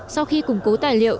sau khi củng cố tài liệu